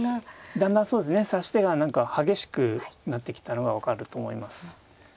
だんだんそうですね指し手が激しくなってきたのが分かると思います。